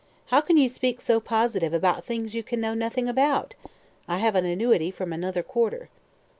"How can you speak so positive about things you can know nothing about? I have an annuity from another quarter."